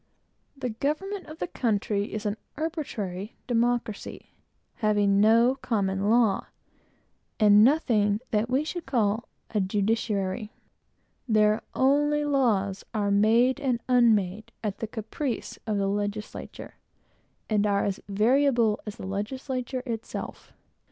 The government of the country is an arbitrary democracy; having no common law, and no judiciary. Their only laws are made and unmade at the caprice of the legislature, and are as variable as the legislature itself.